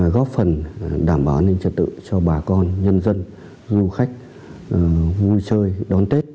góp phần đảm bảo an ninh trật tự cho bà con nhân dân du khách vui chơi đón tết